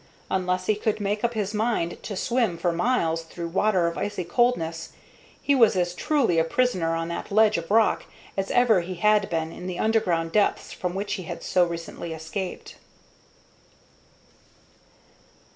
Unless he could make up his mind to swim for miles through water of icy coldness, he was as truly a prisoner on that ledge of rock as ever he had been in the underground depths from which he had so recently escaped.